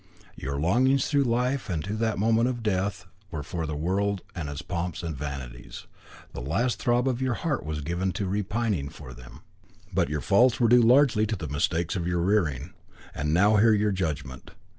Your longings through life, and to the moment of death, were for the world and its pomps and vanities. The last throb of your heart was given to repining for them. But your faults were due largely to the mistakes of your rearing. And now hear your judgment.